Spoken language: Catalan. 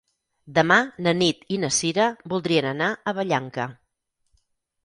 Demà na Nit i na Sira voldrien anar a Vallanca.